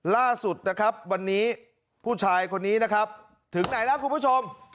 ล่าสุดนะครับวันนี้ผู้ชายคนนี้นะครับถึงไหนแล้วคุณผู้ชม